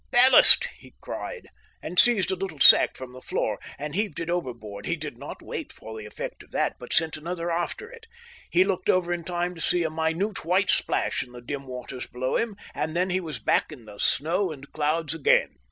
"Ballast!" he cried, and seized a little sack from the floor, and heaved it overboard. He did not wait for the effect of that, but sent another after it. He looked over in time to see a minute white splash in the dim waters below him, and then he was back in the snow and clouds again.